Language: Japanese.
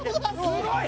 すごい！